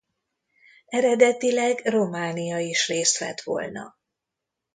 Eredetileg Románia is részt vett volna.